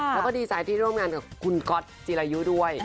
แล้วก็ดีใจที่ร่วมงานกับคุณก๊อตจิรายุด้วย